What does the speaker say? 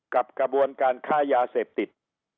กับกระบวนการค้ายาเสพติด